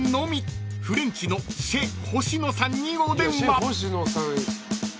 ［フレンチのシェ・ホシノさんにお電話］